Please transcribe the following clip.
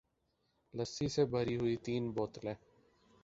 لسی سے بھری ہوئی تین بوتلیں